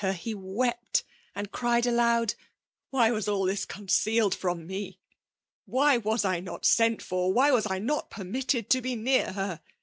ber, he irept^ and cried aloud* ^' Whj was aUthis ccnicealed from me ; why was I not sent for; why was I not permitted to be near her